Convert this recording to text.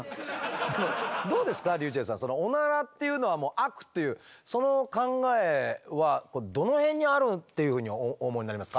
でもどうですかｒｙｕｃｈｅｌｌさんそのオナラっていうのは悪というその考えはどの辺にあるっていうふうにお思いになりますか？